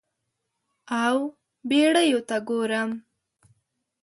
او بیړیو ته ګورم